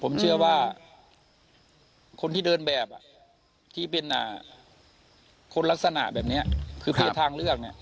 ผมเชื่อว่าคนที่เดินแบบที่เป็นคนลักษณะแบบนี้คือเพศทางเลือกเนี่ย